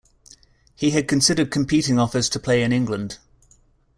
He had considered competing offers to play in England.